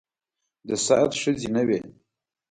د سعد ښځې نه وې.